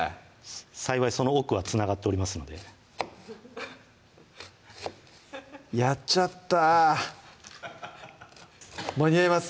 幸いその奥はつながっておりますのでやっちゃった間に合います？